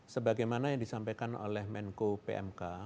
sebagaimana yang disampaikan oleh menko pmk